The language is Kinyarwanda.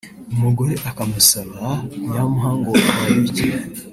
umugore akamusaba kuyamuha ngo ayabike